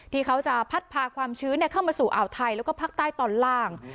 ที่เขาจะพัดพาความชื้นเข้ามาสู่อ่าวไทยแล้วก็ภาคใต้ตอนล่าง